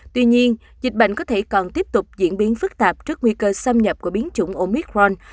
tuy nhiên dịch bệnh có thể còn tiếp tục diễn biến phức tạp trước nguy cơ xâm nhập của biến chủng omic ron